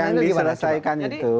jadi menurut saya